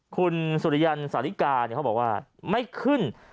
คุณสุริยันสาธิกาเขาบอกว่าไม่ขึ้น